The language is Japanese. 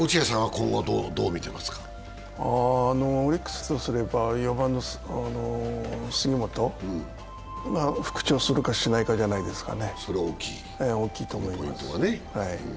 オリックスとすれば、４番の杉本が復調するか、しないかじゃないですかね。